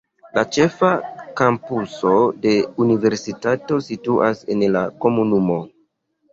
La ĉefa kampuso de universitato situas en la komunumo.